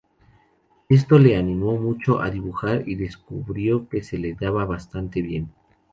Esto le animó mucho a dibujar, y descubrió que se le daba bastante bien.